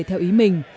theo ý mình